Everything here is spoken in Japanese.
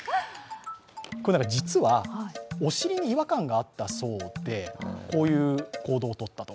実は、お尻に違和感があったそうでこういう行動をとったと。